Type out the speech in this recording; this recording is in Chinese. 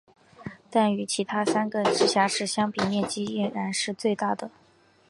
但与其他三个直辖市相比面积依然是最大的。